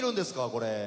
これ。